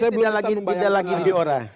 ini tidak lagi di ora